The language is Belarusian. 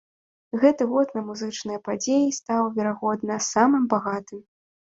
Гэты год на музычныя падзеі стаў, верагодна, самым багатым.